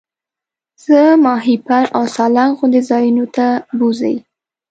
زه ماهیپر او سالنګ غوندې ځایونو ته بوځئ.